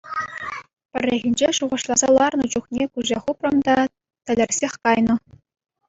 Пӗррехинче шухӑшласа ларнӑ чухне куҫа хупрӑм та — тӗлӗрсех кайнӑ.